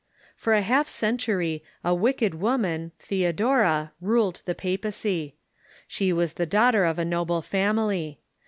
For a half century a wicked woman, Theodora, ruled the papacy. She was the daughter of a noble family.